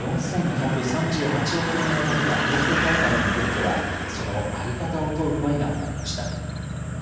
１兆４２３８億円をかけた東京大会を巡っては、その在り方を問う声が上がりました。